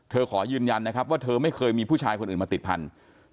ขอยืนยันนะครับว่าเธอไม่เคยมีผู้ชายคนอื่นมาติดพันธุ์